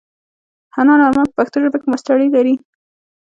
حنان آرمل په پښتو ژبه کې ماسټري لري.